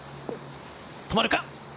止まるか？